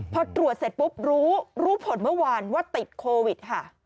พอตรวจเสร็จปุ๊บรู้รู้ผลเมื่อวานว่าติดโควิดค่ะ